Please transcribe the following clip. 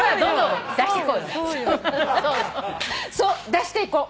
出していこう。